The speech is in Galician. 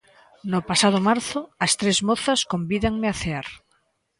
No pasado marzo, as tres mozas convídanme a cear.